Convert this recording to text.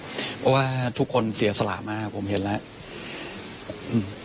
เพราะว่าทุกคนเสียสละมากผมเห็นแล้ว